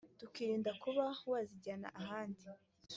tukirinda kuba wazijyana ahandi